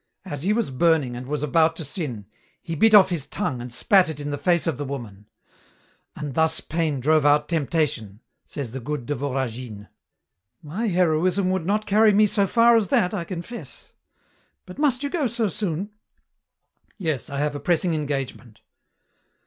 As he was burning and was about to sin, he bit off his tongue and spat it in the face of the woman, "and thus pain drove out temptation," says the good de Voragine." "My heroism would not carry me so far as that, I confess. But must you go so soon?" "Yes, I have a pressing engagement."